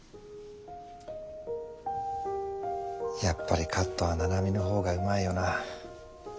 やっぱりカットは七海の方がうまいよなあ。